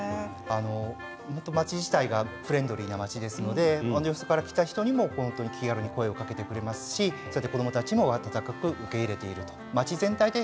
町全体がフレンドリーな町ですので、よそから来た人にも気軽に声を掛けてくれますし子どもたちも温かく受け入れているということです。